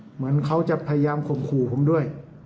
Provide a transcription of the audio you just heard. เหมือนเขาจะพยายามข่มขู่ผมด้วย